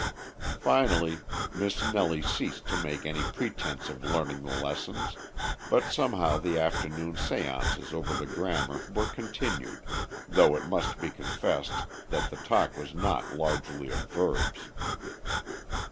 Finally Miss Nellie ceased to make any pretense of learning the lessons, but somehow the afternoon séances over the grammar were continued, though it must be confessed that the talk was not largely of verbs.